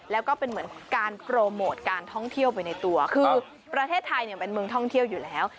แล้วก็เป็นเหมือนการโปรโมทการท่องเที่ยวไปในตัวคือประเทศไทยเนี่ยเป็นเมืองท่องเที่ยวอยู่แล้ว